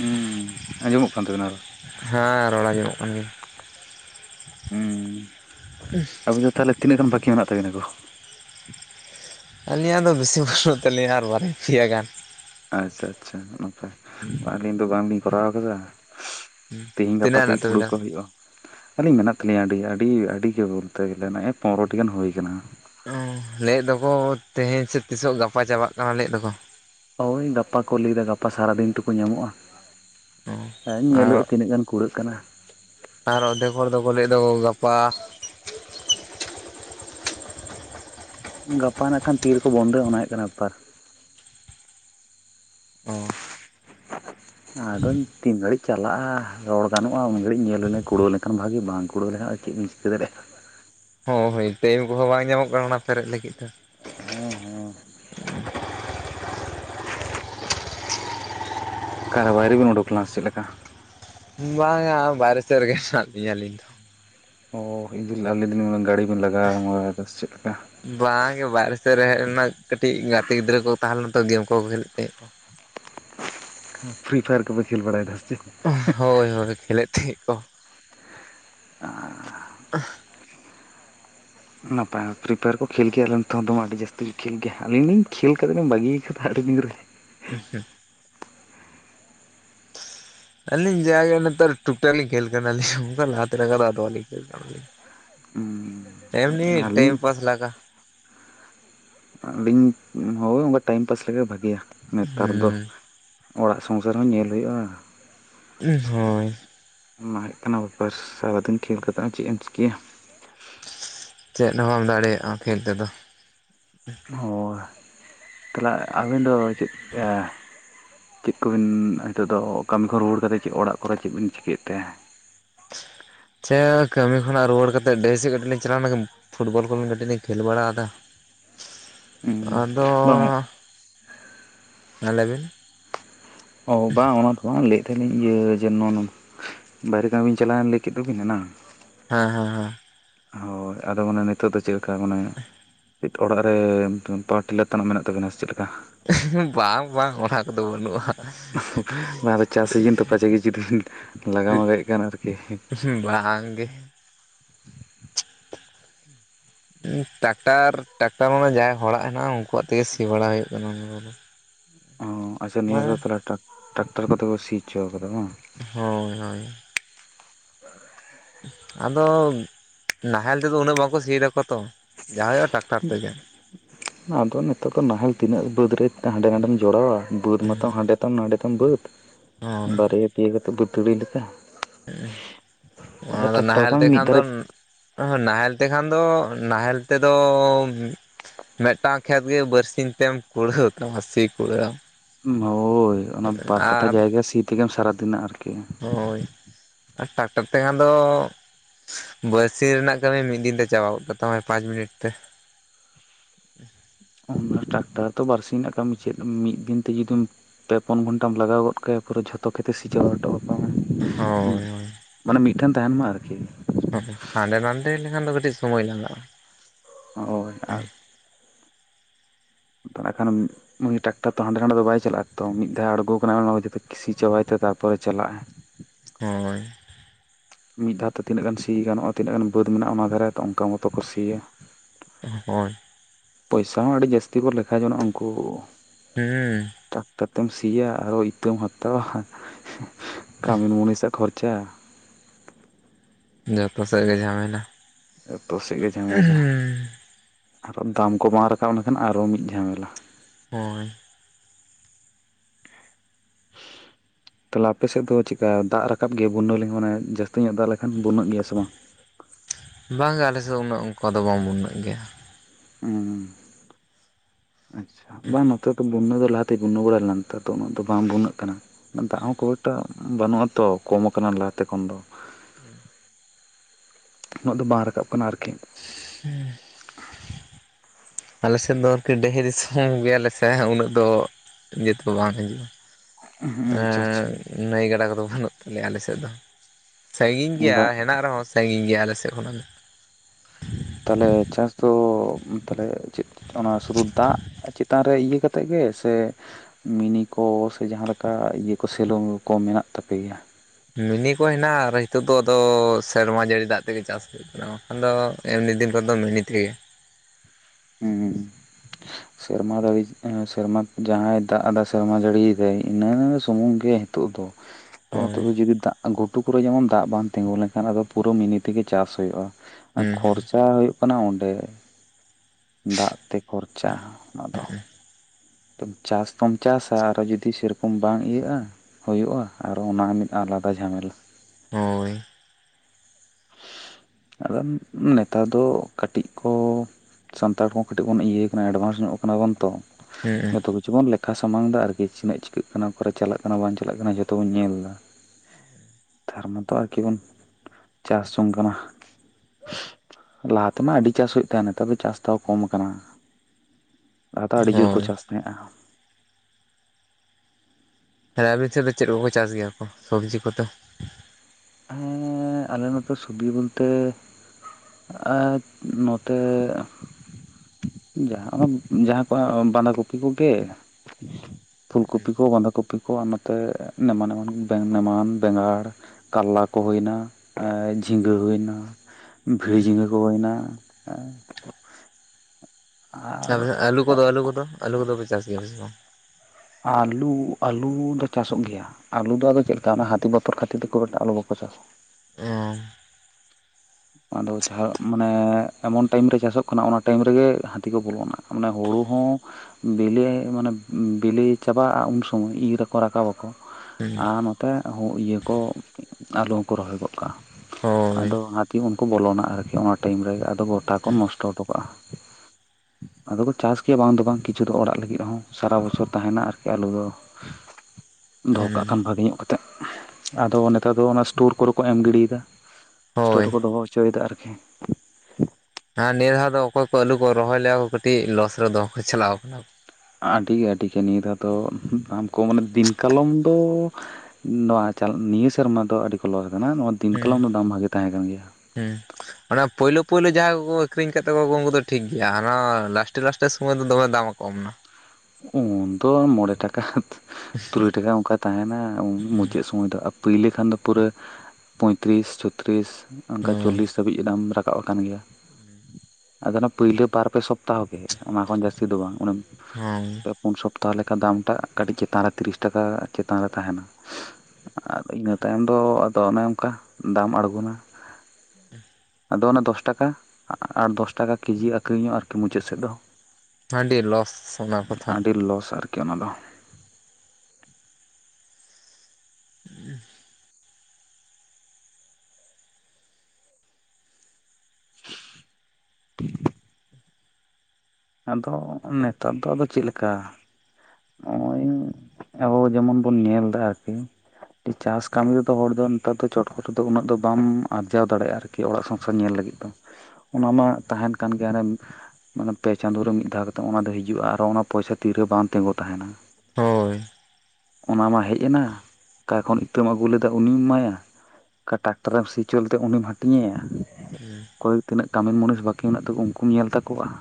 ᱦᱮᱸ ᱟᱡᱚᱢᱚᱜ ᱠᱟᱱ ᱛᱟᱵᱮᱱᱟ ᱨᱚᱲ᱾ ᱦᱮᱸ ᱨᱚᱲ ᱟᱡᱚᱢᱚᱜ ᱠᱟᱱ ᱜᱤᱭᱟ. ᱾ ᱦᱩᱸ ᱩᱸᱦ ᱟᱵᱤᱱ ᱫᱚ ᱛᱟᱦᱞᱮ ᱛᱤᱱᱟᱹ ᱜᱟᱱ ᱵᱟᱠᱤ ᱢᱮᱱᱟᱜ ᱛᱵᱤᱱᱟ ᱜᱳ? ᱟᱞᱤᱧᱟᱜ ᱫᱚ ᱵᱮᱥᱤ ᱵᱟᱹᱱᱩᱜ ᱛᱟᱞᱤᱧᱟ ᱟᱨ ᱵᱟᱨ ᱯᱮᱭᱟ ᱜᱟᱱ᱾ ᱟᱪᱪᱷᱟ ᱟᱪᱪᱷᱟ ᱱᱟᱯᱟᱭ ᱟᱹᱞᱤᱧ ᱫᱚ ᱵᱟᱝᱞᱤᱧ ᱠᱚᱨᱟᱣ ᱟᱠᱟᱫᱟ᱾ ᱛᱤᱦᱤᱧ ᱜᱟᱯᱟ ᱛᱤᱱᱟᱹᱜ ᱛᱮ ᱦᱮᱱᱟᱜ ᱠᱩᱲᱟᱹᱣ ᱛᱟᱵᱤᱱᱟ ᱠᱟᱜ ᱦᱩᱭᱩᱜᱼᱟ᱾ ᱟᱹᱞᱤᱧ ᱢᱮᱱᱟᱜ ᱛᱟᱞᱤᱧᱟ ᱟᱹᱰᱤ ᱟᱹᱰᱤ ᱟᱹᱰᱤ ᱜᱮ ᱵᱚᱞᱛᱮ ᱜᱮᱞᱮ ᱱᱟᱜᱼᱮ ᱯᱚᱱᱨᱚᱴᱤ ᱜᱟᱱ ᱦᱩᱭ ᱟᱠᱟᱱᱟ᱾ ᱚ ᱞᱟᱹᱭᱮᱜ ᱫᱚ ᱠᱚ ᱛᱮᱦᱮᱧ ᱥᱮ ᱛᱤᱥᱚᱜ ᱜᱟᱯᱟ ᱪᱟᱵᱟᱜ ᱠᱟᱱᱟ ᱞᱟᱹᱭᱮᱜ ᱫᱚᱠᱚ᱾ ᱳᱭ ᱜᱟᱯᱟ ᱠᱚ ᱞᱟᱹᱭᱫᱟ ᱜᱟᱯᱟ ᱥᱟᱨᱟᱫᱤᱱ ᱴᱩᱠᱩ ᱧᱟᱢᱚᱜᱼᱟ᱾ ᱚ ᱮ ᱟᱨ ᱧᱮᱞᱚᱜᱼᱟ ᱛᱤᱱᱟᱹᱜ ᱜᱟᱱ ᱠᱩᱲᱟᱹᱜ ᱠᱟᱱᱟ᱾ ᱟᱨ ᱚᱫᱷᱮᱠ ᱦᱚᱲ ᱫᱚᱠᱚ ᱞᱟᱹᱭᱫᱟ ᱜᱟᱯᱟ᱾ ᱜᱟᱯᱟ ᱱᱟᱜ ᱠᱷᱟᱱ ᱛᱤ ᱨᱮᱠᱚ ᱵᱚᱱᱫᱚᱭᱟ ᱚᱱᱟ ᱦᱩᱭᱩᱜ ᱠᱟᱱᱟ ᱵᱮᱯᱟᱨ᱾ ᱚ ᱟᱫᱚᱧ ᱛᱤᱱ ᱜᱷᱟᱹᱲᱤᱡ ᱪᱟᱞᱟᱜᱼᱟ ᱨᱚᱲ ᱜᱟᱱᱚᱜᱼᱟ ᱩᱱ ᱜᱷᱟᱹᱲᱤᱡ ᱤᱧ ᱧᱮᱞ ᱞᱮᱱᱟ ᱠᱩᱲᱟᱹᱣ ᱞᱮᱱᱠᱷᱟᱱ ᱵᱷᱟᱹᱜᱤ ᱵᱟᱝ ᱠᱩᱲᱟᱹᱣ ᱞᱮᱠᱷᱟᱱ ᱟᱫᱚ ᱪᱮᱫ ᱵᱤᱱ ᱪᱤᱠᱟᱹ ᱫᱟᱲᱮᱜᱼᱟ᱾ ᱦᱚᱸ ᱦᱳᱭ ᱴᱟᱭᱤᱢ ᱠᱚᱦᱚᱸ ᱵᱟᱝ ᱧᱟᱢᱚᱜ ᱠᱟᱱᱟ ᱚᱱᱟ ᱯᱮᱨᱮᱡ ᱞᱟᱹᱜᱤᱫ ᱫᱚ ᱦᱩᱸ ᱦᱩᱸ ᱠᱟᱨᱮ ᱵᱟᱭᱨᱮ ᱵᱤᱱ ᱩᱰᱩᱠ ᱞᱮᱱᱟ ᱪᱮᱫ ᱞᱮᱠᱟ? ᱵᱟᱝ-ᱟ ᱵᱟᱭᱨᱮ ᱥᱮᱫ ᱨᱮᱜᱮ ᱢᱮᱱᱟᱜ ᱞᱤᱧᱟ ᱟᱹᱞᱤᱧ ᱫᱚ᱾ ᱚ ᱤᱧ ᱫᱩ ᱟᱞᱮ ᱫᱚᱞᱤᱱ ᱢᱚᱱᱮ ᱜᱟᱹᱲᱤ ᱵᱤᱱ ᱞᱟᱜᱟ ᱟᱢᱟᱫᱟ ᱦᱳᱭᱛᱚ ᱪᱮᱜ ᱠᱟ? ᱵᱟᱝᱜᱮ ᱵᱟᱨᱦᱮ ᱥᱮᱜ ᱨᱮ ᱦᱮᱡᱱᱟ ᱠᱟᱹᱴᱤᱡ ᱜᱟᱛᱮ ᱜᱤᱫᱽᱨᱟᱹ ᱠᱚ ᱛᱟᱦᱮᱸ ᱞᱮᱱᱟ ᱛᱚ ᱜᱮᱢ ᱠᱚ ᱠᱷᱮᱞᱮᱜ ᱛᱟᱦᱮ ᱠᱚ ᱾ ᱯᱷᱨᱤ ᱯᱷᱟᱭᱟᱨ ᱠᱚᱯᱮ ᱠᱷᱮᱞ ᱵᱟᱲᱟᱭ ᱫᱟ ᱥᱮᱪᱮᱜ? ᱦᱳᱭ ᱦᱳᱭ ᱠᱷᱮᱞᱮᱜ ᱛᱟᱦᱮᱸᱜ ᱠᱚ᱾ ᱟᱸᱻ ᱟᱸᱦ ᱱᱟᱯᱟᱭ ᱦᱚᱸ ᱯᱷᱤᱨᱤ ᱯᱷᱟᱭᱟᱨ ᱠᱚ ᱠᱷᱮᱞ ᱜᱮᱭᱟᱞᱮ ᱱᱚᱛᱮ ᱦᱚᱸ ᱫᱚᱢᱮ ᱟᱹᱰᱤ ᱡᱟᱹᱥᱛᱤ ᱠᱚ ᱠᱷᱮᱞ ᱜᱮᱭᱟ ᱦᱟᱸ᱾ ᱟᱹᱞᱤᱧ ᱞᱤᱧ ᱠᱷᱮᱞ ᱠᱟᱛᱮ ᱞᱤᱧ ᱵᱟᱹᱜᱤ ᱟᱠᱟᱫᱟ ᱦᱟᱸᱜ ᱟᱹᱰᱤ ᱫᱤᱱ ᱨᱮ᱾ ᱟᱪᱪᱷᱟ᱾ ᱟᱹᱞᱤᱧ ᱡᱟᱜᱮ ᱱᱮᱛᱟᱨ ᱴᱩᱠᱴᱟᱠ ᱞᱤᱧ ᱠᱷᱮᱞ ᱠᱟᱱᱟ ᱞᱤᱧ ᱚᱱᱠᱟ ᱞᱟᱦᱟᱛᱮ ᱞᱮᱠᱟ ᱫᱚ ᱟᱫᱚ ᱵᱟᱹᱞᱤᱧ ᱠᱷᱮᱞ ᱠᱟᱱᱟ ᱞᱤᱧ᱾ ᱮᱢᱱᱤ ᱟᱹᱞᱤᱧ ᱴᱟᱭᱤᱢ ᱯᱟᱥ ᱞᱟᱠᱟ᱾ ᱟᱹᱞᱤᱧ ᱦᱳᱭ ᱚᱱᱠᱟ ᱴᱟᱭᱤᱢ ᱯᱟᱥ ᱞᱮᱠᱟ ᱵᱷᱟᱹᱜᱮᱭᱟ ᱱᱮᱛᱟᱨ ᱫᱚ᱾ ᱦᱩᱸ ᱚᱲᱟᱜ ᱥᱚᱝᱥᱟᱨ ᱦᱚᱸ ᱧᱮᱞ ᱦᱩᱭᱩᱜᱼᱟ᱾ ᱩᱸ ᱦᱚᱸᱭ᱾ ᱚᱱᱟ ᱦᱩᱭᱩᱜ ᱠᱟᱱᱟ ᱵᱮᱯᱟᱨ ᱥᱟᱨᱟᱫᱤᱱ ᱠᱷᱮᱞ ᱠᱟᱛᱮᱜ ᱦᱚᱸ ᱪᱮᱜ ᱮᱢ ᱪᱤᱠᱟᱹᱭᱟ᱾ ᱪᱮᱫ ᱦᱚ ᱵᱟᱢ ᱫᱟᱲᱮᱭᱟᱜᱼᱟ ᱠᱷᱮᱞ ᱛᱮᱫᱚ᱾ ᱦᱚᱻ ᱛᱟᱦᱞᱮ ᱟᱹᱵᱮᱱ ᱫᱚ ᱪᱮᱫ ᱭᱟᱻ ᱪᱤᱫ ᱠᱚᱵᱤᱱ ᱦᱤᱛᱚᱜ ᱫᱚ ᱠᱟᱹᱢᱤ ᱠᱷᱚᱱ ᱨᱩᱣᱟᱹᱲ ᱠᱟᱛᱮᱜ ᱪᱮᱜ ᱚᱲᱟᱜ ᱠᱚᱨᱮ ᱪᱮᱜᱵᱤᱱ ᱪᱤᱠᱟᱹᱭᱮᱫ ᱛᱮ? ᱪᱮᱻ ᱠᱟᱹᱢᱤ ᱠᱷᱚᱱᱟᱜ ᱨᱩᱣᱟᱹᱲ ᱠᱟᱛᱮᱜ ᱰᱟᱹᱦᱤ ᱥᱮᱜ ᱠᱟᱹᱴᱤᱡ ᱞᱤᱧ ᱪᱟᱞᱟᱣ ᱱᱟᱜᱟᱹᱢ ᱾ ᱯᱷᱩᱴᱵᱚᱞ ᱠᱚᱞᱤ ᱠᱟᱹᱴᱤᱡ ᱞᱤᱧ ᱠᱷᱮᱞ ᱵᱟᱲᱟᱣ ᱟᱫᱟ ᱾ [unintelligible] ᱟᱫᱚᱻ ᱵᱟᱝ ᱦᱮᱸ ᱞᱮᱭ ᱵᱤᱱ! ᱚ ᱵᱟᱝ ᱚᱱᱟ ᱫᱚ ᱵᱟᱝ ᱞᱮᱭᱮᱜ ᱛᱮᱦᱮᱜ ᱞᱤᱧ ᱤᱭᱟᱹ ᱡᱮ ᱱᱚ-ᱱᱚ ᱵᱟᱭᱨᱮ ᱠᱟᱹᱢᱤ ᱵᱤᱱ ᱪᱟᱞᱟᱣᱮᱱ ᱞᱟᱹᱭ ᱠᱮᱜ ᱫᱚᱵᱤᱱ ᱮᱱᱟᱱ ᱦᱮᱸ ᱦᱮᱸ ᱦᱮᱸ! ᱦᱳᱭ, ᱟᱫᱚ ᱢᱟᱱᱮ ᱱᱤᱛᱚᱜ ᱫᱚ ᱪᱮᱫᱠᱟ ᱢᱟᱱᱮ ᱪᱮᱜᱠᱟ ᱚᱲᱟᱜ ᱨᱮ ᱯᱟᱣᱟᱨ ᱴᱤᱞᱟᱹᱨ ᱛᱟᱱᱟᱜ ᱢᱮᱱᱟᱜ ᱛᱟᱵᱤᱱᱟ ᱪᱮᱫ ᱞᱮᱠᱟ? ᱵᱟᱝ ᱵᱟᱝ ᱚᱱᱟ ᱠᱚᱫᱚ ᱵᱟᱹᱱᱩᱜᱼᱟ ᱵᱟᱝ ᱟᱫᱚ ᱪᱟᱥ ᱥᱤᱡᱤᱱ ᱛᱚ ᱯᱟᱪᱮ ᱜᱮ ᱡᱩᱫᱤᱵᱤᱱ ᱞᱟᱜᱟᱣ ᱢᱟᱜᱟᱣᱮᱜ ᱠᱷᱟᱱ ᱟᱨᱠᱤ? ᱦᱩᱸ ᱵᱟᱝ ᱜᱮ᱾ ᱩᱸ ᱴᱟᱠᱴᱟᱨ, ᱴᱟᱠᱴᱟᱨ ᱢᱟᱱᱮ ᱡᱟᱦᱟᱸᱭ ᱦᱚᱲᱟᱜ ᱦᱮᱱᱟᱜᱼᱟ ᱩᱝᱠᱩᱣᱟᱜ ᱛᱮᱜᱮ ᱥᱤ ᱵᱟᱲᱟ ᱦᱩᱭᱩᱜ ᱠᱟᱱᱟ [inaudible] [inaudible] ᱚ ᱟᱪᱪᱷᱟ ᱱᱤᱭᱟᱹ ᱫᱷᱟᱣ ᱛᱟᱞᱦᱮ ᱴᱟᱠ-ᱴᱟᱠᱴᱟᱨ ᱠᱚᱛᱮᱯᱮ ᱥᱤ ᱪᱚ ᱠᱟᱫᱟ ᱵᱟᱝ? ᱦᱳᱭ ᱦᱳᱭ᱾ ᱟᱫᱚ, ᱱᱟᱦᱮᱞ ᱛᱮᱫᱚ ᱩᱱᱟᱹᱜ ᱵᱟᱝᱠᱚ ᱥᱤ ᱫᱟᱠᱚ ᱛᱚ, ᱡᱟ ᱦᱳᱭᱳᱜᱼᱟ ᱴᱟᱠ ᱟᱫᱚ ᱱᱤᱛᱚᱜ ᱫᱚ ᱱᱟᱦᱮᱞ ᱛᱤᱱᱟᱹᱜ ᱵᱟᱹᱫᱽ ᱨᱮ ᱦᱟᱸᱰᱮ ᱱᱟᱸᱰᱮᱢ ᱡᱚᱲᱟᱣᱟ? ᱵᱟᱹᱫᱽ ᱢᱟᱛᱚ ᱦᱟᱸᱰᱮ ᱛᱟᱢ ᱱᱟᱸᱰᱮ ᱛᱟᱢ ᱵᱟᱹᱫ, ᱦᱳᱭ ᱵᱟᱨᱭᱟ ᱯᱤᱭᱟᱹ ᱠᱟᱛᱮ ᱵᱟᱹᱛᱟᱹᱲᱤ ᱞᱮᱠᱟ᱾ ᱩᱸ ᱟᱫᱚ ᱚᱱᱟ ᱫᱚ ᱴᱨᱟᱠᱴᱟᱨ ᱱᱟᱦᱮᱞ ᱠᱷᱟᱱ ᱢᱤᱫ ᱛᱮᱠᱷᱟᱱ ᱫᱷᱟᱨᱮ ᱫᱚᱱ ᱮᱸᱦᱮ ᱱᱟᱦᱮᱞ ᱛᱮᱠᱷᱟᱱ ᱫᱚ ᱱᱟᱦᱮᱞ ᱛᱮᱫᱚ ᱢᱮᱫᱴᱟᱝ ᱠᱷᱮᱛ ᱜᱮ ᱵᱟᱨᱥᱤᱧ ᱛᱮᱢ ᱠᱩᱲᱟᱹᱣ ᱛᱟᱢᱟ ᱥᱤ ᱠᱩᱲᱟᱹᱣᱟᱢ᱾ ᱦᱳᱭ, ᱚᱱᱟ ᱵᱟᱨ ᱠᱟᱴᱷᱟ ᱡᱟᱭᱜᱟ ᱥᱤ ᱛᱮᱜᱮᱢ ᱥᱟᱨᱟᱫᱤᱱᱟ ᱟᱨᱠᱤ᱾ ᱦᱳᱭ, ᱟᱨ ᱴᱟᱠᱴᱟᱨ ᱛᱮ ᱠᱷᱟᱱ ᱫᱚ ᱵᱟᱥᱤᱧ ᱨᱮᱱᱟᱜ ᱠᱟᱹᱢᱤ ᱢᱤᱫ ᱫᱤᱱ ᱛᱮ ᱪᱟᱵᱟ ᱜᱚᱫ ᱠᱟᱛᱟᱢᱟᱭ ᱯᱟᱸᱪ ᱢᱤᱱᱤᱴ ᱛᱮ᱾ ᱚᱱᱟ ᱴᱟᱠᱴᱟᱨ ᱛᱚ ᱵᱟᱨᱥᱤᱧᱱᱟᱜ ᱠᱟᱹᱢᱤ ᱪᱮᱫ ᱢᱤᱫ ᱫᱤᱱ ᱛᱮ ᱡᱩᱫᱤᱢ ᱯᱮ ᱯᱳᱱ ᱜᱷᱚᱱᱴᱟᱢ ᱞᱟᱜᱟᱣ ᱜᱚᱫ ᱠᱟᱭᱟ ᱯᱩᱨᱟᱹ ᱡᱷᱚᱛᱚ ᱠᱷᱮᱛᱮ ᱥᱤ ᱪᱟᱵᱟ ᱦᱚᱴᱚ ᱠᱟᱛᱟᱢᱟᱭ᱾ ᱦᱳᱭ ᱦᱳᱭ᱾ ᱢᱟᱱᱮ ᱢᱤᱫᱴᱷᱮᱱ ᱛᱟᱦᱮᱱ ᱢᱟ ᱟᱨᱠᱤ᱾ ᱦᱚᱸ ᱦᱟᱸᱰᱮ ᱱᱟᱸᱰᱮ ᱞᱮᱠᱷᱟᱱ ᱫᱚ ᱠᱟᱹᱴᱤᱡ ᱥᱩᱢᱟᱹᱭ ᱞᱟᱜᱟᱜᱼᱟ᱾ ᱦᱳᱭ, ᱟᱨ ᱛᱟᱞᱮ ᱠᱷᱟᱱᱮᱢ ᱱᱩᱭ ᱴᱨᱟᱠᱴᱟᱨ ᱛᱚ ᱦᱟᱸᱰᱮ ᱱᱟᱸᱰᱮ ᱫᱚ ᱵᱟᱭ ᱪᱟᱞᱟᱜᱼᱟ ᱛᱚ, ᱢᱤᱫ ᱫᱷᱟᱣ ᱟᱬᱜᱚ ᱠᱟᱱᱟᱭ ᱢᱟᱱᱮ ᱚᱱᱟᱠᱚ ᱡᱷᱚᱛᱚ ᱠᱤᱥᱤ ᱪᱟᱵᱟᱭ ᱛᱮ ᱛᱟᱯᱚᱨᱮ ᱪᱟᱞᱟᱜᱼᱟᱭ᱾ ᱦᱳᱭ᱾ ᱢᱤᱫ ᱫᱷᱟᱣ ᱛᱮ ᱛᱤᱱᱟᱹᱜ ᱜᱟᱱ ᱥᱤ ᱜᱟᱱᱚᱜᱼᱟ ᱛᱤᱱᱟᱜ ᱜᱟᱱ ᱵᱟᱹᱫ ᱢᱮᱱᱟᱜᱼᱟ ᱚᱱᱟ ᱫᱷᱟᱨᱮ ᱛᱚ ᱚᱝᱠᱟ ᱢᱚᱛᱚ ᱠᱚ ᱥᱤᱭᱟ᱾ ᱦᱚ ᱦᱳᱭ᱾ ᱯᱚᱭᱥᱟ ᱦᱚᱸ ᱟᱹᱰᱤ ᱡᱟᱹᱥᱛᱤ ᱠᱚ ᱞᱮᱠᱷᱟ ᱡᱚᱱᱚᱜᱼᱟ ᱩᱝᱠᱩ᱾ ᱦᱩᱸ᱾ ᱴᱟᱠᱴᱟᱨ ᱛᱮᱢ ᱥᱤᱭᱟ ᱟᱨᱚ ᱤᱛᱟᱹᱢ ᱦᱟᱛᱟᱣᱟ, ᱠᱟᱢᱤᱱ ᱢᱚᱱᱤᱥᱟᱜ ᱠᱷᱚᱨᱪᱟ ᱡᱷᱚᱛᱚ ᱥᱮᱫ ᱜᱮ ᱡᱷᱟᱢᱮᱞᱟ᱾ ᱡᱚᱛᱚ ᱥᱮᱫ ᱜᱮ ᱡᱷᱟᱢᱮᱞᱟ, ᱟᱨᱦᱚᱸ ᱫᱟᱢ ᱠᱚ ᱵᱟᱝ ᱨᱟᱠᱟᱵ ᱞᱮᱠᱷᱟᱱ ᱟᱨᱚ ᱢᱤᱫ ᱡᱷᱟᱢᱮᱞᱟ᱾ ᱦᱳᱭ᱾ [inaudible] ᱛᱟᱞᱮ ᱟᱯᱮ ᱥᱮᱫ ᱫᱚ ᱪᱮᱠᱠᱟ, ᱫᱟᱜ ᱨᱟᱠᱟᱵ ᱜᱮᱭᱟ ᱵᱩᱱᱱᱟᱹ ᱞᱮᱠᱷᱟᱱ ᱢᱟᱱᱮ ᱡᱟᱹᱥᱛᱤ ᱧᱚᱜ ᱫᱟᱜ ᱞᱮᱠᱷᱟᱱ ᱵᱳᱱᱱᱟᱹᱜ ᱜᱮᱭᱟ ᱥᱮ ᱵᱟᱝ? ᱵᱟᱝ ᱜᱮ ᱟᱞᱮ ᱥᱮᱫ ᱫᱚ ᱩᱱᱟᱹᱜ ᱚᱝᱠᱟ ᱫᱚ ᱵᱟᱝ ᱵᱩᱱᱱᱟᱹᱜ ᱜᱮᱭᱟ᱾ ᱩᱸ ᱟᱪᱪᱷᱟ, ᱵᱟᱝ ᱱᱚᱛᱮ ᱫᱚ ᱵᱩᱱᱱᱟᱹ ᱫᱚ ᱞᱟᱦᱟ ᱛᱮ ᱵᱩᱱᱱᱟᱹ ᱵᱟᱲᱟ ᱞᱮᱱᱟ ᱱᱮᱛᱟᱨ ᱫᱚ ᱩᱱᱟᱹᱜ ᱫᱚ ᱵᱟᱝ ᱵᱩᱱᱱᱟᱸᱜ ᱠᱟᱱᱟ, ᱫᱟᱜ ᱦᱚᱸ ᱠᱷᱩᱵ ᱴᱟ ᱵᱟᱹᱱᱩᱜ-ᱟ ᱛᱚ ᱠᱚᱢ ᱠᱟᱱᱟ ᱞᱟᱦᱟᱛᱮ ᱠᱷᱚᱱ ᱫᱚ᱾ ᱦᱩᱸ᱾ ᱩᱱᱟᱹᱜ ᱫᱚ ᱵᱟᱝ ᱨᱟᱠᱟᱵ ᱠᱟᱱᱟ ᱟᱨᱠᱤ᱾ ᱦᱩᱸ᱾ ᱟᱞᱮ ᱥᱮᱫ ᱫᱚ ᱟᱨᱠᱤ ᱰᱮᱦᱤ ᱫᱤᱥᱚᱢ ᱜᱮᱭᱟᱞᱮ ᱥᱮ ᱦᱟ ᱩᱱᱟᱹᱜ ᱫᱚ, ᱡᱚᱛᱚ ᱵᱟᱝ ᱦᱤᱡᱩᱜ-ᱟ᱾ ᱦᱩᱸ ᱟᱪᱪᱷᱟ ᱟᱪᱪᱷᱟ ᱮᱸᱜ ᱱᱟᱹᱭ ᱠᱚᱫᱚ ᱵᱟᱹᱱᱩᱜ ᱛᱟᱞᱮᱭᱟ ᱟᱞᱮ ᱥᱮᱫ ᱫᱚ᱾ ᱥᱟᱺᱜᱤᱧ ᱜᱮᱭᱟ᱾ ᱚᱱᱠᱟ ᱦᱮᱱᱟᱜ ᱨᱮᱦᱚᱸ ᱥᱟᱺᱜᱤᱧ ᱜᱮᱭᱟ ᱟᱞᱮ ᱥᱮᱫ ᱠᱷᱚᱱᱟᱜ ᱫᱚ᱾ ᱛᱟᱦᱚᱞᱮ ᱪᱟᱥ ᱫᱚ ᱛᱟᱦᱞᱮ ᱪᱮᱫ ᱚᱱᱟ ᱥᱩᱫᱩ ᱫᱟᱜ ᱪᱮᱫ ᱛᱟ ᱨᱮ ᱤᱭᱟᱹ ᱠᱟᱛᱮᱫ ᱜᱮ ᱥᱮ ᱢᱤᱱᱤ ᱠᱚ ᱥᱮ ᱡᱟᱦᱟᱸ ᱞᱮᱠᱟ ᱤᱭᱟᱹ ᱠᱚ ᱥᱮᱞᱚ ᱠᱚ ᱢᱮᱱᱟᱜ ᱛᱟᱯᱮ ᱜᱮᱭᱟ᱾ ᱢᱤᱱᱤ ᱠᱚ ᱦᱮᱱᱟᱜ-ᱟ ᱟᱨ ᱱᱤᱛᱚᱜ ᱫᱚ ᱟᱫᱚ ᱥᱮᱨᱢᱟ ᱡᱟᱹᱲᱤ ᱫᱟᱜ ᱛᱮᱜᱮ ᱪᱟᱥ ᱦᱩᱭᱩᱜ ᱾ ᱵᱟᱝᱠᱷᱟᱱ ᱫᱚ ᱮᱢᱱᱤ ᱫᱤᱱ ᱠᱚᱫᱚ ᱢᱤᱱᱤᱮᱛᱜᱮ ᱾ ᱦᱩᱸ ᱥᱮᱨᱢᱟ ᱫᱟᱲᱤ ᱥᱮᱨᱢᱟ ᱡᱟᱦᱟᱸᱭ ᱫᱟᱜ ᱮᱫᱟᱭ ᱥᱮᱨᱢᱟ ᱡᱟᱹᱲᱤᱭ ᱫᱟᱭ ᱤᱱᱟᱹ ᱥᱩᱢᱩᱝ ᱜᱮ ᱷᱤᱛᱚᱜ ᱫᱚ [unintelligible] ᱛᱚ ᱱᱤᱛᱚᱜ ᱦᱳᱭ ᱫᱚ ᱡᱩᱫᱤ ᱫᱟᱜ ᱜᱷᱩᱴᱩ ᱠᱚᱨᱮ ᱡᱮᱢᱚᱱ ᱫᱟᱜ ᱵᱟᱝ ᱛᱤᱸᱜᱩ ᱞᱮᱱᱠᱷᱟᱱ ᱯᱩᱨᱟᱹ ᱢᱤᱱᱤ ᱛᱮᱜᱮ ᱪᱟᱥ ᱦᱩᱭᱩᱜ-ᱟ᱾ ᱦᱩᱸ ᱦᱩᱸ ᱠᱷᱚᱨᱪᱟ ᱦᱩᱭᱩᱜ ᱠᱟᱱᱟ ᱚᱸᱰᱮ ᱫᱟᱜ ᱛᱮ ᱠᱷᱚᱨᱪᱟ ᱚᱱᱟᱫᱚ ᱦᱩᱸ ᱪᱟᱥ ᱛᱚᱢ ᱪᱟᱥᱟ ᱟᱨᱚᱷᱚ ᱡᱩᱫᱤ ᱥᱮᱨᱚᱠᱚᱢ ᱵᱟᱝ ᱤᱭᱟᱹᱜ-ᱟ᱾ ᱦᱩᱭᱩᱜ-ᱟ ᱟᱨ ᱚᱱᱟ ᱢᱤᱫ ᱟᱞᱟᱫᱟ ᱡᱷᱟᱢᱮᱞᱟ᱾ ᱦᱳᱭ, ᱟᱫᱚ ᱱᱮᱛᱟᱨ ᱫᱚ ᱠᱟᱹᱴᱤᱡ ᱠᱚ ᱥᱟᱱᱛᱟᱲ ᱦᱚ ᱠᱟᱹᱴᱤᱡ ᱵᱚᱱ ᱤᱭᱟᱹ ᱠᱟᱱᱟ ᱮᱰᱚᱵᱷᱟᱱᱥ ᱧᱚᱜ ᱠᱟᱱᱟ ᱵᱚᱱ ᱛᱚ ᱦᱩᱸ ᱡᱚᱛᱚ ᱠᱤᱪᱩ ᱵᱚᱱ ᱠᱷᱟ ᱥᱟᱢᱟᱝ ᱫᱟ ᱟᱨᱠᱤ ᱪᱤᱱᱟᱹᱜ ᱪᱤᱠᱟᱹᱜ ᱠᱟᱱᱟ ᱚᱠᱟᱨᱮ ᱪᱟᱞᱟᱜ ᱠᱟᱱᱟ ᱵᱟᱝ ᱪᱟᱞᱟᱜ ᱠᱟᱱᱟ ᱡᱷᱚᱛᱚ ᱵᱚᱱ ᱧᱮᱞ ᱫᱟ ᱾ ᱛᱟᱨ ᱢᱚᱛᱚ ᱟᱨᱠᱤ ᱵᱚᱱ ᱪᱟᱥ ᱡᱚᱝ ᱠᱟᱱᱟ᱾ ᱞᱟᱦᱟ ᱛᱮᱢᱟ ᱟᱹᱰᱤ ᱪᱟᱥ ᱦᱩᱭᱩᱜ ᱛᱟᱦᱮᱱ ᱱᱮᱛᱟᱨ ᱫᱚ ᱪᱟᱥ ᱛᱟᱣ ᱠᱚᱢ ᱠᱟᱱᱟ ᱞᱟᱦᱟᱛᱮ ᱟᱹᱰᱤ ᱡᱳᱨ ᱠᱚ ᱦᱳᱭ ᱪᱟᱥ ᱛᱟᱦᱮᱸᱜ-ᱟ᱾ ᱟᱨ ᱟᱯᱮᱥᱮᱫ ᱫᱚ ᱥᱮᱫ ᱫᱚ ᱪᱮᱫ ᱞᱮᱠᱟ ᱠᱚ ᱪᱟᱥ ᱜᱮᱭᱟ ᱠᱚ ᱥᱚᱵᱽᱡᱤ ᱠᱚᱫᱚ ᱦᱮᱸ ᱟᱞᱮ ᱱᱚᱛᱮ ᱥᱚᱵᱡᱤ ᱵᱚᱞᱛᱮ ᱟᱨ ᱱᱚᱛᱮ ᱡᱟ ᱡᱟᱦᱟ ᱠᱚ ᱵᱟᱸᱫᱷᱟ ᱠᱚᱯᱤ ᱠᱚᱜᱮ ᱯᱷᱩᱞ ᱠᱚᱯᱤ ᱠᱚ ᱵᱟᱸᱫᱷᱟ ᱠᱚᱯᱤ ᱠᱚ ᱟᱨ ᱱᱚᱛᱮ ᱮᱢᱟᱱ ᱮᱢᱟᱱ ᱵᱮᱝᱜᱟᱲ, ᱠᱟᱞᱞᱟ ᱠᱚ ᱦᱩᱭᱱᱟ ᱡᱷᱤᱸᱜᱟᱹ ᱦᱩᱭᱱᱟ, ᱵᱷᱤᱲᱤ ᱡᱷᱤᱸᱜᱟᱹ ᱠᱚ ᱦᱩᱭᱱᱟ ᱦᱮᱸ, ᱟᱯᱮᱥᱮᱫ ᱟᱹᱞᱩ ᱠᱚᱫᱚ ᱟᱹᱞᱩ ᱠᱚᱫᱚ ᱟᱹᱞᱩ ᱠᱚᱫᱚᱯᱮ ᱪᱟᱥ ᱜᱮᱭᱟᱥᱮ ᱵᱟᱝ? ᱟᱹᱞᱩ ᱟᱹᱞᱩ ᱫᱚ ᱪᱟᱥᱚᱜ ᱜᱮᱭᱟ᱾ ᱟᱹᱞᱩ ᱟᱫᱚ ᱪᱮᱫ ᱚᱱᱟ ᱦᱟᱹᱛᱤ ᱵᱚᱛᱚᱨ ᱠᱷᱟᱹᱤᱨ ᱛᱮᱠ ᱵᱮᱴᱟ ᱟᱹᱞᱩ ᱵᱟᱠᱚ ᱪᱟᱥᱟ ᱚ ᱟᱫᱚ ᱡᱟᱦᱟᱸ ᱢᱟᱱᱮ ᱮᱢᱚᱱ ᱴᱟᱭᱤᱢ ᱨᱮ ᱪᱟᱥᱚᱜ ᱠᱟᱱᱟ ᱚᱱᱟ ᱴᱟᱭᱤᱢ ᱨᱮᱜᱮ ᱦᱟᱹᱛᱤ ᱠᱚ ᱵᱚᱞᱚᱱᱟ᱾ ᱢᱟᱱᱮ ᱦᱳᱲᱳ ᱦᱚᱸ ᱵᱮᱞᱮ ᱢᱟᱱᱮ ᱵᱮᱞᱮ ᱪᱟᱵᱟᱜ-ᱟ ᱩᱱ ᱥᱚᱢᱚᱭ ᱤᱨ ᱟᱠᱚ ᱨᱟᱠᱟ ᱵᱟᱼᱠᱚ ᱦᱩᱸ ᱟᱨ ᱱᱚᱛᱮ ᱤᱭᱟᱹ ᱠᱚ ᱟᱹᱞᱩ ᱦᱚᱸᱠᱚ ᱨᱚᱦᱚᱭ ᱜᱚᱫ ᱠᱟᱜ-ᱟ᱾ ᱦᱳᱭ ᱛᱤ ᱩᱱᱠᱩ ᱵᱚᱞᱚᱱᱟ ᱟᱨᱠᱤ ᱚᱱᱟ ᱴᱟᱭᱤᱢ ᱨᱮᱜᱮ ᱟᱫᱚ ᱜᱚᱴᱟ ᱠᱚ ᱱᱚᱥᱴᱚ ᱦᱚᱴᱚᱠᱟᱜ-ᱟ᱾ ᱟᱫᱚ ᱠᱚ ᱪᱟᱥ ᱜᱮᱭᱟ ᱵᱟᱝ ᱫᱚ ᱵᱟᱝ ᱠᱤᱪᱷᱩ ᱫᱚ ᱚᱲᱟᱜ ᱞᱟᱹᱜᱤᱫ ᱦᱚᱸ ᱥᱟᱨᱟ ᱵᱚᱪᱷᱚᱨ ᱛᱟᱦᱮᱱᱟ ᱟᱨᱠᱤ ᱟᱹᱞᱩ ᱫᱚ [unintelligible] ᱫᱚᱦᱚ ᱦᱩᱸ ᱠᱟᱜ ᱠᱷᱟᱱ ᱵᱷᱟᱜᱮ ᱧᱚᱜ ᱠᱟᱛᱮᱜ ᱟᱫᱚ ᱱᱮᱛᱟᱨ ᱫᱚ ᱚᱱᱟ ᱤᱥᱴᱳᱨ ᱠᱚᱨᱮ ᱠᱚ ᱮᱢ ᱜᱤᱰᱤᱭᱮᱫᱟ ᱾ ᱴᱳᱨ ᱦᱳᱭ ᱨᱮᱠᱚ ᱫᱚᱦᱚ ᱦᱚᱪᱚᱭᱮᱫᱟ ᱟᱨᱠᱤ, ᱟᱨ ᱱᱤᱭᱟᱹ ᱫᱷᱟᱣ ᱫᱚ ᱚᱠᱚᱭ ᱠᱚ ᱟᱹᱞᱩ ᱠᱚ ᱨᱚᱦᱚᱭ ᱞᱮᱣᱟᱠᱚ ᱠᱟᱹᱴᱤᱡ ᱞᱚᱥ ᱨᱮ ᱫᱚᱢᱮ ᱠᱚ ᱪᱟᱞᱟᱣ ᱟᱠᱟᱱᱟ ᱾ ᱟᱹᱰᱤ ᱼ ᱟᱹᱰᱤᱜᱮ ᱱᱤᱭᱟᱹ ᱫᱷᱟᱣ ᱫᱚ ᱠᱚ ᱢᱟᱱᱮ ᱫᱤᱱ ᱠᱟᱞᱚᱢ ᱫᱚ, ᱱᱚᱣᱟ ᱪᱟ ᱱᱤᱭᱟᱹ ᱥᱮᱨᱢᱟ ᱫᱚ ᱟᱹᱰᱤ ᱠᱚ ᱞᱚᱥ ᱟᱠᱟᱱᱟ ᱾ ᱱᱚᱣᱟ ᱫᱤᱱ ᱠᱟᱞᱢ ᱫᱚ ᱫᱟᱢ ᱵᱷᱟᱜᱮ ᱛᱟᱦᱮᱸ ᱠᱟᱱ ᱜᱮᱭᱟ ᱾ ᱦᱮᱸ ᱚᱱᱟ ᱯᱳᱭᱞᱳ ᱯᱳᱭᱞᱳ ᱡᱟᱦᱟᱸᱭ ᱠᱚᱠᱚ ᱟᱹᱷᱨᱤᱧ ᱠᱟᱫ ᱛᱟᱠᱚᱣᱟ ᱩᱱᱠᱩ ᱫᱚ ᱴᱷᱤᱠ ᱜᱮᱭᱟ ᱦᱟᱱᱟ ᱞᱟᱥᱴᱮ ᱞᱟᱥᱴᱮ ᱥᱚᱢᱚᱭ ᱫᱚ ᱫᱚᱢᱮ ᱫᱟᱢ ᱠᱚᱢ ᱱᱟ ᱾ ᱩᱱ ᱫᱚ ᱢᱚᱬᱮ ᱴᱟᱠᱟ ᱛᱩᱨᱩᱭ ᱴᱟᱠᱟ ᱚᱱᱠᱟ ᱛᱟᱦᱮᱸᱱᱟ ᱩᱱ ᱢᱩᱪᱟᱹᱫ ᱥᱚ ᱥᱚᱢᱚᱭ ᱫᱚ ᱟ ᱯᱟᱹᱭᱞᱟᱹ ᱠᱷᱟᱱ ᱫᱚ ᱯᱩᱨᱟᱹ ᱯᱚᱸᱭᱛᱨᱤᱥ, ᱪᱷᱚᱛᱨᱤᱥ ᱚᱱᱠᱟ ᱦᱳᱭ ᱪᱚᱞᱞᱤᱥ ᱫᱷᱟᱹᱵᱤᱡ ᱫᱟᱢ ᱨᱟᱠᱟᱵ ᱠᱟᱱ ᱜᱮᱭᱟ ᱾ ᱟᱫᱚ ᱚᱱᱟ ᱯᱟᱹᱭᱞᱟᱹ ᱵᱟᱨ ᱯᱮ ᱥᱚᱯᱛᱟᱦᱚ ᱜᱮ ᱚᱱᱟ ᱠᱷᱚᱱ ᱡᱟᱹᱥᱛᱤ ᱫᱚ ᱵᱟᱝ᱾ ᱚᱱᱮ ᱦᱩᱸ᱾ ᱯᱩᱱ ᱥᱚᱯᱛᱟᱦᱚ ᱞᱮᱠᱟ ᱫᱟᱢᱴᱟᱜ ᱠᱟᱹᱴᱤᱡ ᱪᱮᱛᱟᱱ ᱨᱮ ᱛᱤᱨᱤᱥ ᱴᱟᱠᱟ ᱪᱮᱛᱟᱱ ᱨᱮ ᱛᱟᱦᱮᱸᱱᱟ ᱾ ᱟᱨ ᱤᱱᱟᱹ ᱛᱟᱭᱚᱢ ᱫᱚ ᱟᱫᱚ ᱚᱱᱮ ᱚᱱᱠᱟ ᱫᱟᱢ ᱟᱬᱜᱚᱱᱟ ᱾ ᱟᱫᱚ ᱚᱱᱟ ᱫᱚᱥ ᱴᱟᱠᱟ ᱟᱨ ᱫᱚᱥ ᱴᱟᱠᱟ ᱠᱮᱡᱤ ᱟᱹᱠᱷᱨᱤᱧᱚᱜᱼᱟ, ᱟᱨᱠᱤ ᱢᱩᱪᱟᱹᱫ ᱥᱮᱫ ᱫᱚ ᱾ ᱟᱹᱰᱤ ᱞᱚᱥ᱾ ᱚᱱᱟ ᱠᱚᱫᱚ ᱟᱹᱰᱤ ᱞᱚᱥ ᱟᱨᱠᱤ ᱚᱱᱟ ᱫᱚ᱾ ᱩᱸ᱾ [inaudible] ᱟᱫᱚ ᱱᱮᱛᱟᱨ ᱫᱚ ᱟᱫᱚ ᱪᱮᱫ ᱞᱮᱠᱟ? ᱱᱚᱸᱜᱼᱚᱭ ᱟᱵᱚ ᱡᱮᱢᱚᱱ ᱵᱚᱱ ᱧᱮᱞ ᱫᱟ ᱟᱨᱠᱤ ᱪᱟᱥ ᱠᱟᱹᱢᱤ ᱨᱮᱫᱚ ᱦᱚᱲ ᱫᱚ ᱱᱮᱛᱟᱨ ᱫᱚ ᱪᱚᱴ ᱠᱚᱨᱮ ᱫᱚ ᱩᱱᱟᱹᱜ ᱫᱚ ᱵᱟᱢ ᱟᱨᱡᱟᱣ ᱫᱟᱲᱮᱭᱟᱜᱼᱟ ᱟᱨ ᱠᱤ ᱚᱲᱟᱜ ᱥᱚᱝᱥᱟᱨ ᱧᱮᱞ ᱞᱟᱹᱜᱤᱫ ᱫᱚ ᱚᱱᱟ ᱢᱟ ᱛᱟᱦᱮᱸᱱ ᱠᱟᱱ ᱜᱮᱭᱟ, ᱚᱱᱮ ᱯᱮ ᱪᱟᱸᱫᱳ ᱨᱮ ᱢᱤᱫ ᱫᱷᱟᱣ ᱠᱟᱛᱮ ᱚᱱᱟ ᱫᱚ ᱦᱤᱡᱩᱜᱼᱟ, ᱟᱨᱚ ᱚᱱᱟ ᱯᱚᱭᱥᱟ ᱛᱤᱨᱮ ᱵᱟᱝ ᱛᱤᱸᱜᱩ ᱛᱟᱦᱮᱸᱱᱟ ᱾ ᱦᱳᱭ᱾ ᱚᱱᱟ ᱢᱟ ᱦᱮᱡ ᱮᱱᱟ, ᱚᱠᱟ ᱠᱷᱚᱱ ᱤᱛᱟᱹᱢ ᱟᱹᱜᱩ ᱞᱮᱫᱟ ᱩᱱᱤᱢ ᱮᱢᱟᱭᱟ ᱾ ᱚᱠᱟ ᱴᱟᱠᱴᱟᱨᱮᱢ ᱥᱤ ᱦᱚᱪᱚ ᱞᱮᱫᱮᱭᱟ ᱩᱱᱤᱢ ᱦᱟᱹᱴᱤᱧᱟᱭᱟ ᱾ ᱚᱠᱚᱭ ᱛᱤᱱᱟᱹᱜ ᱠᱟᱹᱢᱤᱱ ᱢᱩᱱᱤᱥ ᱵᱟᱠᱤ ᱢᱮᱱᱟᱜ ᱛᱟᱠᱚᱣᱟ ᱩᱱᱠᱩᱢ ᱧᱮᱞ ᱛᱟᱠᱚᱣᱟ ᱾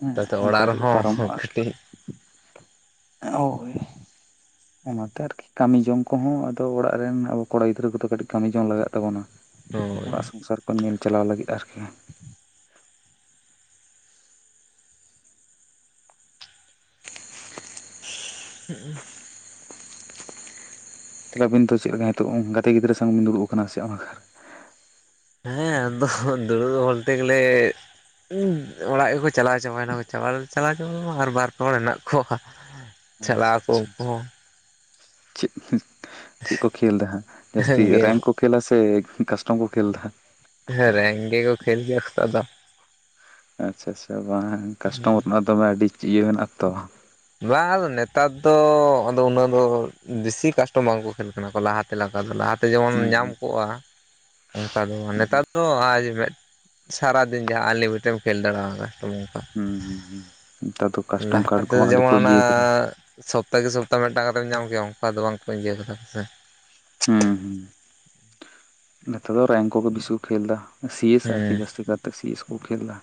ᱦᱮᱸ ᱛᱟᱛᱮ ᱚᱱᱠᱟ ᱚᱲᱟᱜ ᱠᱟᱛᱮᱜ ᱜᱮ ᱨᱮᱦᱚᱸ ᱯᱟᱨᱚᱢᱚᱜᱼᱟ ᱟᱨᱠᱤ ᱠᱟᱹᱴᱤᱡ ᱮᱸ ᱳᱭ᱾ ᱚᱱᱟᱛᱮ ᱟᱨᱠᱤ ᱠᱟᱹᱢᱤ ᱡᱚᱝ ᱠᱚᱦᱚᱸ ᱟᱫᱚ ᱚᱲᱟᱜ ᱨᱮᱱ ᱟᱵᱚ ᱠᱚᱲᱟ ᱜᱤᱫᱽᱨᱟᱹ ᱠᱚᱫᱚ ᱠᱟᱹᱴᱤᱡ ᱠᱟᱹᱢᱤ ᱡᱚᱝ ᱞᱟᱜᱟᱜ ᱛᱟᱵᱚᱱᱟ ᱾ ᱦᱳᱭ ᱚᱲᱟᱜ ᱥᱚᱝᱥᱟᱨ ᱠᱚ ᱧᱮᱞ ᱪᱟᱞᱟᱣ ᱞᱟᱹᱜᱤᱫᱽ ᱟᱨᱠᱤ᱾ ᱦᱩᱸᱜᱼᱩᱸ᱾ ᱛᱟᱦᱚᱞᱮ ᱟᱹᱵᱤᱱ ᱪᱮᱫᱞᱮᱠᱟ ᱱᱤᱛᱚᱜ ᱜᱟᱛᱮ ᱜᱤᱫᱽᱨᱟᱹ ᱥᱟᱝ ᱵᱤᱱ ᱫᱩᱲᱩᱵ ᱠᱟᱱᱟ ᱥᱮ ᱚᱱᱠᱟ ᱠᱚᱨᱮ? ᱦᱮᱸ ᱟᱫᱚ ᱫᱩᱲᱩᱵᱽ ᱵᱚᱞᱛᱮ ᱜᱮᱞᱮ ᱚᱲᱟᱜ ᱜᱮᱠᱚ ᱪᱟᱞᱟᱣ ᱪᱟᱵᱟᱭᱱᱟ ᱾ ᱪᱟᱵᱟ ᱫᱚ ᱪᱟᱞᱟᱣ ᱪᱟᱵᱟ ᱟᱨ ᱵᱟᱨ, ᱯᱮ ᱦᱚᱲ ᱦᱮᱸᱱᱟᱜ ᱠᱚᱣᱟ ᱪᱟᱞᱟᱜ ᱟᱪᱪᱷᱟ ᱟᱠᱚ ᱟᱪᱪᱷᱟ ᱩᱱᱠᱩ ᱦᱚᱸ᱾ ᱪᱮᱫ ᱪᱮᱫ ᱠᱚ ᱠᱷᱮᱞ ᱫᱟ ᱦᱟᱸ ᱦᱚᱸ ᱡᱟᱹᱥᱛᱤ ᱜᱮᱢ ᱨᱮᱝ ᱠᱚ ᱠᱷᱮᱞᱟ ᱥᱮ ᱠᱟᱥᱴᱚᱢ ᱠᱚ ᱠᱷᱮᱞᱫᱟ? ᱦᱮᱸ ᱨᱮᱝ ᱜᱮ ᱠᱚ ᱠᱷᱮᱞ ᱜᱮᱭᱟ ᱠᱚᱛᱚ ᱟᱫᱚ ᱟᱪᱪᱷᱟ ᱟᱪᱪᱷᱟ ᱵᱟᱝ ᱠᱟᱥᱴᱚᱢᱟᱨ ᱨᱮᱱᱟᱜ ᱫᱚᱢᱮ ᱟᱹᱰᱤ ᱤᱭᱟᱹ ᱢᱮᱱᱟᱜ ᱛᱚ ᱾ ᱵᱟᱝ ᱱᱮᱛᱟᱨ ᱫᱚ ᱟᱫᱚ ᱩᱱᱟᱹᱜ ᱫᱚ ᱵᱮᱥᱤ ᱠᱟᱥᱴᱚᱢ ᱵᱟᱝ ᱠᱚ ᱠᱷᱮᱞ ᱠᱟᱱᱟ ᱠᱚ ᱞᱟᱦᱟᱛᱮ ᱞᱮᱠᱟ ᱫᱚ, ᱞᱟᱦᱟ ᱛᱮ ᱡᱮᱢᱚᱱ ᱦᱩᱸ ᱧᱟᱢ ᱦᱩᱸ ᱠᱚᱜᱼᱟ, ᱚᱱᱠᱟ ᱫᱚ ᱦᱩᱸ ᱱᱮᱛᱟᱨ ᱫᱚ ᱟᱡ ᱢᱮᱫ ᱥᱟᱨᱟᱫᱤᱱ ᱡᱟᱦᱟᱸ ᱟᱞᱤᱢᱤᱴᱮᱢ ᱠᱷᱮᱞ ᱫᱟᱲᱮᱣᱟ ᱚᱝᱠᱟ ᱾ ᱦᱩᱸ ᱦᱩᱸ ᱦᱩᱸ ᱱᱮᱛᱟᱨ ᱫᱚ ᱠᱟᱥᱴᱚᱢ ᱠᱟᱰ ᱠᱚᱦᱚᱸ ᱟᱹᱰᱤ ᱡᱮᱢᱚᱱ ᱠᱚ ᱚᱱᱟ ᱤᱭᱟᱹ ᱠᱟᱫᱟ ᱾ ᱥᱚᱯᱛᱟ ᱠᱮ ᱥᱚᱯᱛᱟ ᱢᱤᱫᱴᱟᱜ ᱠᱟᱛᱮᱢ ᱧᱟᱢ ᱠᱮᱜᱼᱟ, ᱚᱱᱠᱟ ᱫᱚ ᱵᱟᱝᱠᱚ ᱤᱭᱟᱹᱠᱟᱫᱟ ᱠᱚᱥᱮ ᱾ ᱦᱩᱸ ᱦᱩᱸ᱾ ᱱᱮᱛᱚᱜ ᱫᱚ ᱨᱮᱝ ᱠᱚᱜᱮ ᱵᱤᱥᱤ ᱠᱚ ᱠᱷᱮᱞᱫᱟ ᱾ ᱥᱤ ᱮᱥ ᱟᱨᱠᱤ ᱦᱮᱸ ᱡᱟᱹᱥᱛᱤ ᱠᱟᱨ ᱛᱮ ᱥᱤ ᱮᱥ ᱠᱚ ᱠᱷᱮᱞᱫᱟ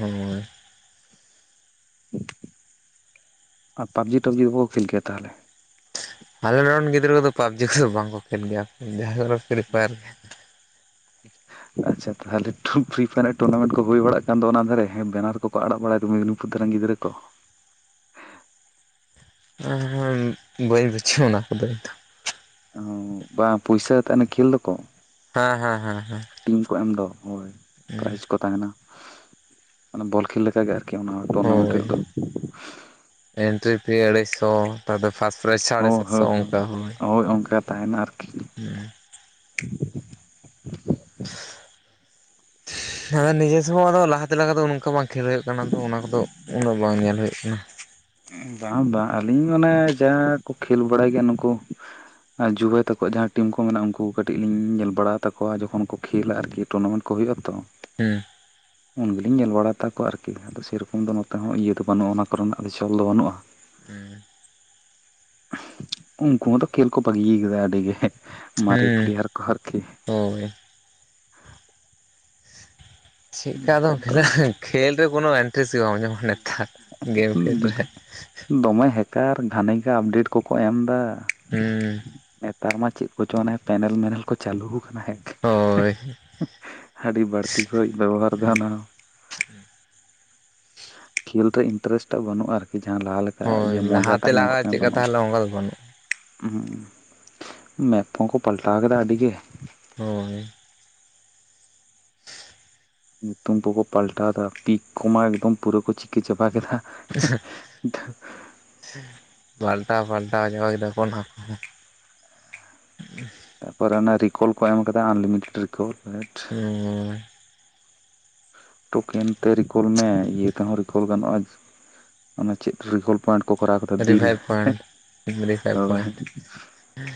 ᱦᱳᱭ ᱾ [unintelligible] ᱟᱨ ᱯᱟᱵᱡᱤ ᱴᱟᱵᱡᱤ ᱫᱚ ᱵᱟᱠᱚ ᱠᱷᱮᱞ ᱜᱮᱭᱟ ᱛᱟᱦᱚᱞᱮ? ᱟᱞᱮ ᱱᱚᱸᱰᱮᱱ ᱜᱤᱫᱽᱨᱟᱹ ᱠᱚᱫᱚ ᱯᱟᱵᱽᱡᱤ ᱠᱚᱫᱚ ᱵᱟᱝᱠᱚ ᱠᱷᱮᱞ ᱜᱮᱭᱟ ᱡᱟᱦᱟᱸ ᱯᱷᱨᱤ ᱯᱷᱟᱭᱟᱨ ᱜᱮ ᱟᱪᱪᱷᱟ ᱛᱟᱦᱚᱞᱮ ᱴᱷᱩ ᱯᱷᱤᱨᱤ ᱯᱷᱟᱭᱟᱨ ᱴᱩᱨᱱᱟᱢᱮᱱᱴ ᱠᱚ ᱦᱩᱭ ᱵᱟᱲᱟᱜ ᱠᱟᱱ ᱫᱚ ᱚᱱᱟ ᱫᱷᱟᱨᱮᱸ ᱵᱮᱱᱟᱨ ᱠᱚ ᱠᱚᱠᱚ ᱟᱲᱟᱜ ᱵᱟᱲᱟᱭᱫᱟ ᱢᱮᱫᱱᱤᱯᱩᱨ ᱫᱷᱟᱨᱮᱱ ᱜᱤᱫᱽᱨᱟᱹ ᱠᱚ ᱮᱻ ᱵᱟᱹᱧ ᱵᱩᱡᱷᱟᱹᱣᱟ ᱚᱱᱟ ᱠᱚᱫᱚ ᱤᱧ ᱫᱚ ᱚ ᱵᱟᱝ ᱯᱚᱭᱥᱟ ᱟᱛᱮ ᱦᱟᱱᱮ ᱠᱷᱮᱹᱞ ᱫᱚᱠᱚ᱾ ᱦᱮᱸ ᱦᱮᱸ ᱦᱮᱸ ᱦᱮᱸ ᱴᱤᱢ ᱠᱚ ᱮᱢ ᱫᱚ ᱦᱳᱭ ᱯᱮᱨᱟᱭᱤᱡᱽ ᱠᱚ ᱛᱟᱦᱮᱱᱟ ᱢᱟᱱᱮ ᱵᱚᱞ ᱠᱷᱮᱞ ᱞᱮᱠᱟ ᱜᱮ ᱟᱹᱨᱠᱤ ᱚᱱᱟ ᱦᱚᱸ᱾ ᱦᱳᱭ ᱮᱱᱴᱨᱤᱯᱷᱤ ᱟᱹᱲᱟᱹᱭ ᱥᱚ᱾ ᱚᱠᱟᱫᱚ ᱯᱷᱟᱥᱴ ᱯᱮᱨᱟᱭᱤᱡ ᱥᱟᱲᱮ ᱦᱳᱭ ᱥᱟᱛᱥᱚ ᱦᱳᱭ ᱚᱱᱠᱟ ᱦᱳᱭ᱾ ᱦᱳᱭ ᱚᱱᱠᱟ ᱛᱟᱦᱮᱱᱟ ᱟᱹᱨᱠᱤ ᱦᱮᱸ ᱦᱮ ᱱᱤᱡᱮ ᱥᱚᱢᱚᱭᱫᱚ ᱞᱟᱦᱟᱛᱮ ᱞᱮᱠᱟ ᱫᱚ ᱚᱱᱠᱟ ᱵᱟᱝ ᱠᱷᱮᱹᱞ ᱦᱩᱭᱩᱜ ᱠᱟᱱᱟ ᱚᱱᱟ ᱠᱚᱫᱚ ᱩᱱᱟᱹᱜ ᱵᱟᱝ ᱧᱮᱞ ᱦᱩᱭᱩᱜ ᱠᱟᱱᱟ ᱾ ᱵᱟᱝ ᱵᱟᱝ ᱟᱹᱞᱤᱧ ᱢᱟᱱᱮ ᱡᱟ ᱠᱚ ᱠᱷᱮᱹᱞ ᱵᱟᱲᱟᱭ ᱜᱮᱭᱟ ᱱᱩᱠᱩ ᱟᱨ ᱡᱩᱦᱟᱭ ᱛᱟᱠᱚᱣᱟᱜ ᱡᱟᱦᱟᱸ ᱴᱤᱢ ᱠᱚ ᱢᱮᱱᱟᱜ ᱩᱱᱠᱩ ᱠᱟᱹᱴᱤᱡ ᱞᱤᱧ ᱧᱮᱞ ᱵᱟᱲᱟ ᱛᱟᱠᱚᱣᱟ ᱡᱚᱠᱷᱚᱱ ᱠᱚ ᱠᱷᱮᱹᱞᱟ ᱟᱹᱨᱠᱤ᱾ ᱴᱩᱨᱱᱟᱢᱮᱱᱴ ᱠᱚ ᱦᱩᱭᱩᱜᱼᱟ ᱛᱚ᱾ ᱦᱮᱸ ᱩᱱ ᱜᱮ ᱧᱮᱞ ᱵᱟᱲᱟ ᱛᱟᱠᱚᱣᱟ ᱟᱹᱨᱠᱤ ᱟᱫᱚ ᱥᱮᱨᱚᱠᱚᱢ ᱫᱚ ᱱᱚᱛᱮ ᱦᱚᱸ ᱤᱭᱟᱹ ᱫᱚ ᱵᱟᱹᱱᱩᱜᱼᱟ ᱚᱱᱟ ᱠᱚᱨᱮᱱᱟᱜ ᱫᱚ᱾ ᱪᱚᱞ ᱫᱚ ᱵᱟᱹᱱᱩᱜᱼᱟ᱾ ᱦᱩᱸ ᱩᱱᱠᱩ ᱢᱟᱛᱚ ᱠᱷᱮᱹᱞ ᱠᱚ ᱵᱟᱹᱜᱤ ᱠᱟᱫᱟ ᱟᱹᱰᱤ ᱜᱮ ᱢᱟᱨᱮ ᱦᱩᱸ ᱯᱮᱞᱮᱭᱟᱨ ᱠᱚ ᱟᱹᱨᱠᱤ᱾ ᱦᱳᱭ ᱪᱮᱫᱠᱟ ᱛ ᱟᱫᱚᱢ ᱫᱚ ᱠᱷᱮᱞᱟ ᱠᱷᱮᱞ ᱨᱮ ᱠᱳᱱᱳ ᱤᱱᱴᱟᱨᱮᱥᱴ ᱜᱮ ᱵᱟᱢ ᱧᱟᱢᱟ ᱱᱮᱛᱟᱨ ᱜᱮᱢ ᱠᱷᱮᱞ ᱨᱮ [unintelligible] ᱫᱚᱢᱮ ᱦᱮᱠᱟᱨ ᱜᱷᱟᱱᱮ ᱜᱮ ᱟᱯᱰᱮᱴ ᱠᱚᱠᱚ ᱮᱢ ᱫᱟ᱾ ᱦᱮᱸ ᱱᱮᱛᱟᱨ ᱢᱟ ᱪᱮᱫ ᱠᱚᱪᱚ ᱯᱮᱱᱮᱞ ᱢᱮᱱᱮᱞ ᱠᱚ ᱪᱟᱹᱞᱩ ᱟᱠᱟᱱᱟ ᱦᱮᱸ᱾ ᱦᱳᱭ ᱟᱹᱰᱤ ᱵᱟᱹᱲᱛᱤ ᱠᱚ ᱵᱮᱵᱚᱦᱟᱨᱫᱟ ᱚᱱᱟ᱾ [unintelligible] ᱠᱷᱮᱞᱨᱮ ᱤᱱᱴᱨᱮᱥᱴ ᱴᱟᱜ ᱵᱟᱹᱱᱩᱜᱼᱟ ᱟᱹᱨᱠᱤ ᱡᱟᱦᱟᱸ ᱞᱟᱦᱟ ᱞᱮᱠᱟ ᱦᱳᱭ ᱤᱭᱟᱹ ᱢᱚᱡᱟ ᱞᱟᱦᱟᱛᱮ ᱴᱟᱜ ᱧᱟᱢᱚᱜ ᱞᱟᱦᱟ ᱛᱟᱦᱮᱸᱫ ᱪᱮᱫᱠᱟ ᱵᱟᱹᱱᱩᱜᱼᱟ᱾ ᱛᱟᱦᱮᱸ ᱚᱱᱠᱟ ᱫᱚ ᱵᱟᱹᱱᱩᱜᱼᱟ ᱦᱮᱸ ᱢᱮᱯ ᱠᱚᱦᱚᱸ ᱠᱚ ᱯᱟᱞᱴᱟᱣ ᱟᱠᱟᱫᱟ ᱟᱹᱰᱤ ᱜᱮ᱾ ᱦᱳᱭ ᱧᱩᱛᱩᱢ ᱠᱚᱠᱚ ᱯᱟᱞᱴᱟᱣ ᱫᱟ ᱯᱤᱠ ᱠᱚᱢᱟ ᱮᱠᱫᱚᱢ ᱯᱩᱨᱟᱹ ᱠᱚ ᱪᱤᱠᱟᱹ ᱪᱟᱵᱟ ᱠᱮᱫᱟ᱾ ᱦᱩᱸ ᱯᱟᱞᱴᱟᱣ ᱯᱟᱞᱴᱟᱣ ᱪᱟᱵᱟ ᱠᱮᱫᱟ ᱠᱚ ᱚᱱᱟ ᱾ ᱛᱟᱯᱚᱨ ᱚᱱᱟ ᱨᱤᱠᱚᱞ ᱠᱚ ᱮᱢ ᱟᱠᱟᱫᱟ ᱟᱱᱞᱤᱢᱤᱴᱮᱰ ᱨᱤᱠᱚᱞ ᱨᱮᱴ᱾ ᱦᱚᱻ ᱴᱳᱠᱮᱱ ᱛᱮ ᱨᱤᱠᱚᱞ ᱢᱮ ᱤᱭᱟᱹ ᱛᱮᱦᱚᱸ ᱨᱤᱠᱚᱞ ᱜᱟᱱᱚᱜᱼᱟ ᱢᱟᱱᱮ᱾ ᱪᱮᱫ ᱨᱮᱠᱚᱞ ᱯᱚᱭᱮᱱᱴ ᱠᱚ ᱠᱚᱨᱟᱣ ᱠᱟᱫᱟ ᱫᱤᱞ ᱨᱤᱵᱷᱟᱭᱤᱵᱷ ᱯᱚᱭᱮᱱᱴ ᱚ ᱦᱳᱭ ᱾ ᱦᱩᱸ